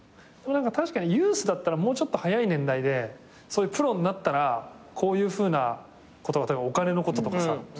確かにユースだったらもうちょっと早い年代でプロになったらこういうふうなことがお金のこととかさ。